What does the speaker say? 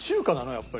やっぱり。